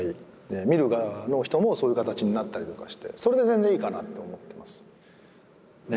見る側の人もそういう形になったりとかしてそれで全然いいかなと思ってます。